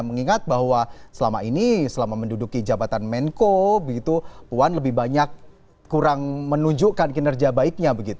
mengingat bahwa selama ini selama menduduki jabatan menko puan lebih banyak kurang menunjukkan kinerja baiknya